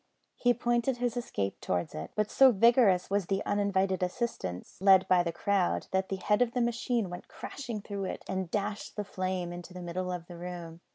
He pointed his escape towards it, but so vigorous was the uninvited assistance lent by the crowd that the head of the machine went crashing through it and dashed the frame into the middle of the room.